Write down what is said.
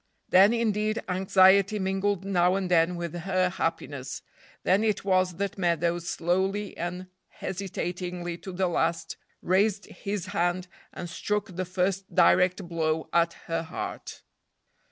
Then, indeed, anxiety mingled now and then with her happiness. Then it was that Meadows, slowly and hesitatingly to the last, raised his hand and struck the first direct blow at her heart.